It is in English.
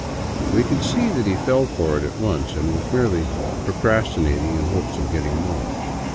We could see that he " fell for it " at once, and was merely pro crastinating in the hope of getting more.